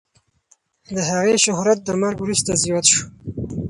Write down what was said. د هغې شهرت د مرګ وروسته زیات شو.